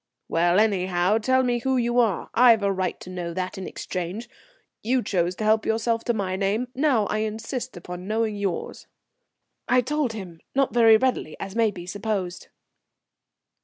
"Well, anyhow, tell me who you are. I've a right to know that in exchange. You chose to help yourself to my name; now I insist upon knowing yours." I told him, not very readily, as may be supposed.